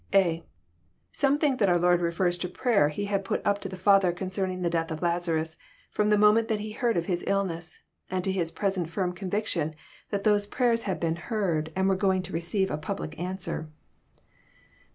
(a) Some think that our Lord refers to prayer He had put up to the Father concerning the death of Lazarus, firom the moment that He heard of his illness, and to His present firm conviction that those prayers had been heard, and were going to receive a public answer.